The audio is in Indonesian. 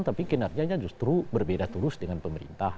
tapi kinerjanya justru berbeda terus dengan pemerintah